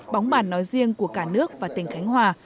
bóng bàn nói riêng của cả nước và tỉnh khánh hòa